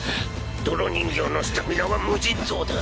泥人形のスタミナは無尽蔵だ。